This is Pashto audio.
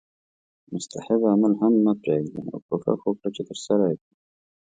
مستحب عمل هم مه پریږده او کوښښ وکړه چې ترسره یې کړې